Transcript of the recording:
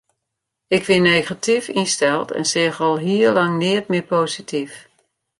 Ik wie negatyf ynsteld en seach al hiel lang neat mear posityf.